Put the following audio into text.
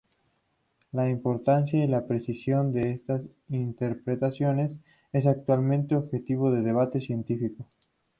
La importancia y la precisión de estas interpretaciones es actualmente objeto de debate científico.